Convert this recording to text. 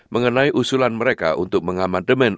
mengenai usulan mereka untuk mengamandemen